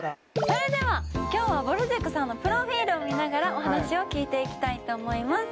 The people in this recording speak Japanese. それでは今日はぼる塾さんのプロフィールを見ながらお話を聞いていきたいと思います。